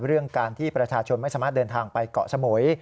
เรื่องการที่ประชาชนไม่สามารถเดินทางไปเกาะสมุย